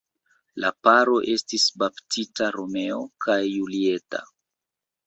La paro estis baptita Romeo kaj Julieta.